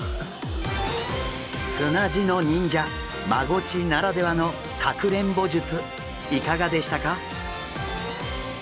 砂地の忍者マゴチならではのかくれんぼ術いかがでしたか？